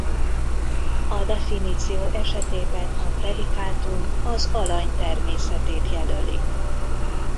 A definíció esetében a predikátum az alany természetét jelöli.